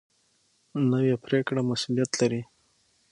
نوې پرېکړه مسؤلیت لري